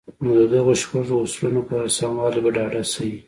نو د دغو شپږو اصلونو پر سموالي به ډاډه شئ.